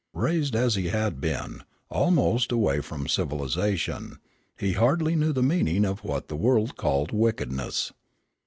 Raised as he had been, almost away from civilization, he hardly knew the meaning of what the world called wickedness.